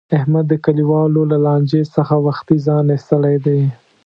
احمد د کلیوالو له لانجې څخه وختي ځان ایستلی دی.